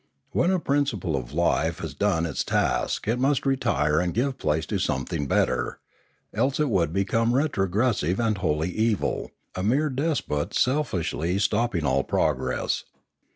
When a principle of life has done its task it must retire and give place to something better; else it would become retrogressive and wholly evil, a 584 Limanora mere despot selfishly stopping all progress.